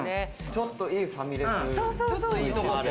ちょっといいファミレス。